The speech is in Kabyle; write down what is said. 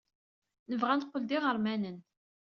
Nebɣa ad neqqel d iɣermanen.